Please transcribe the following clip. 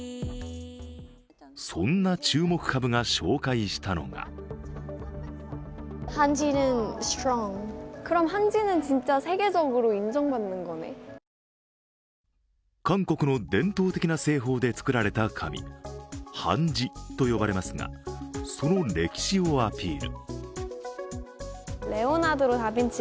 そんな注目株が紹介したのが韓国の伝統的な製法で作られた紙、ハンジと呼ばれますがその歴史をアピール。